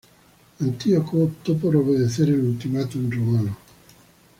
Antíoco optó por obedecer el ultimátum romano.